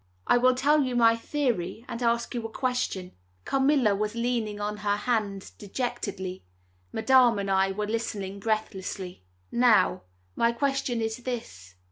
I will tell you my theory and ask you a question." Carmilla was leaning on her hand dejectedly; Madame and I were listening breathlessly. "Now, my question is this.